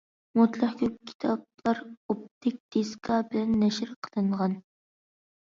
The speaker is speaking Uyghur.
مۇتلەق كۆپ كىتابلار ئوپتىك دىسكا بىلەن نەشر قىلىنغان.